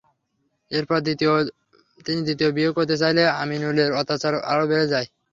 এরপর তিনি দ্বিতীয় বিয়ে করতে চাইলে আমিনুলের অত্যাচার আরও বেড়ে যায়।